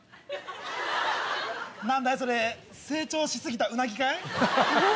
何だいそれ成長し過ぎたウナギかい？